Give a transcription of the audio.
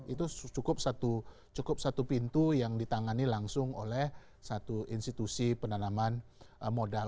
itu cukup satu pintu yang ditangani langsung oleh satu institusi penanaman modal